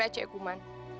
dengar ya cik iqman